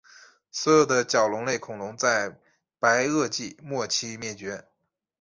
所有的角龙类恐龙在白垩纪末期灭绝。